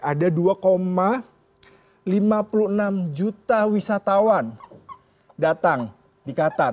ada dua lima puluh enam juta wisatawan datang di qatar